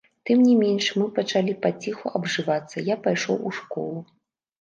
Тым не менш, мы пачалі паціху абжывацца, я пайшоў у школу.